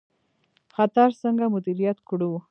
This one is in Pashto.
خطر څنګه مدیریت کړو؟